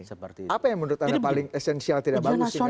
oke apa yang menurut anda paling esensial tidak bagus yang harus diatur